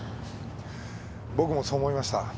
僕もそう思いました。